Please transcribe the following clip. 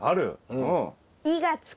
うん。